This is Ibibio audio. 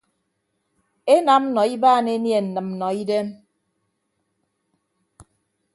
Enam nọ ibaan enie nnịmnnọidem.